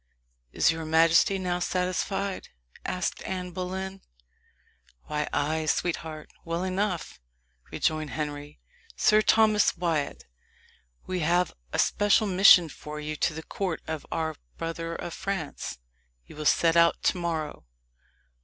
"Is your majesty now satisfied?" asked Anne Boleyn. "Why, ay, sweetheart, well enough," rejoined Henry. "Sir Thomas Wyat, we have a special mission for you to the court of our brother of France. You will set out to morrow."